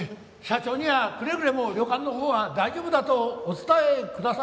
社長にはくれぐれも旅館のほうは大丈夫だとお伝えください。